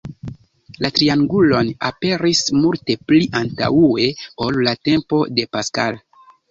La triangulon aperis multe pli antaŭe ol la tempo de Pascal.